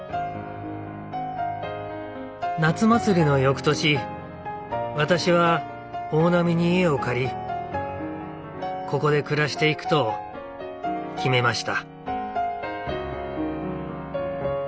夏祭りの翌年私は大波に家を借りここで暮らしていくと決めました。